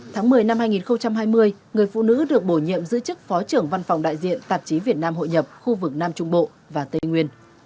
tháng một mươi năm hai nghìn hai mươi người phụ nữ được bổ nhiệm giữ chức phó trưởng văn phòng đại diện tạp chí việt nam hội nhập khu vực nam trung bộ và tây nguyên